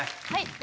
はい。